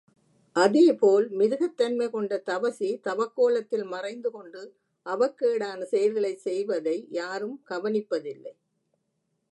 அதேபோல் மிருகத்தன்மை கொண்ட தவசி தவக்கோலத்தில் மறைந்துகொண்டு அவக்கேடான செயல்களைச் செய்வதை யாரும் கவனிப்ப தில்லை.